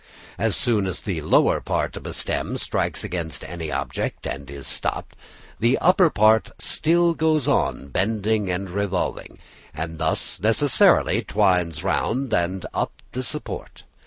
As soon as the lower part of a stem strikes against any object and is stopped, the upper part still goes on bending and revolving, and thus necessarily twines round and up the support.